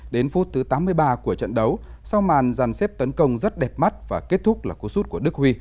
đến phút thứ tám mươi ba của trận đấu sau màn dàn xếp tấn công rất đẹp mắt và kết thúc là cú sút của đức huy